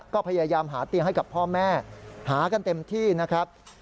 ก็พยายามหาเตียงให้กับพ่อแม่หากันเต็มที่นะครับ